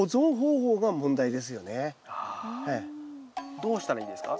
どうしたらいいですか？